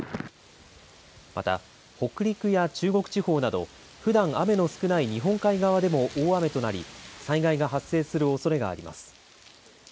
また北陸や中国地方などふだん雨の少ない日本海側でも大雨となり災害が発生するおそれがあります。